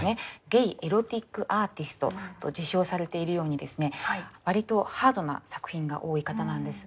ゲイ・エロティック・アーティストと自称されているようにですね割とハードな作品が多い方なんです。